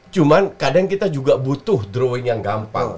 cuman kadang kita juga butuh drawing yang gampang